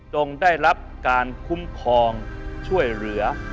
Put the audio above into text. จงได้รับการคุ้มครองช่วยเหลือ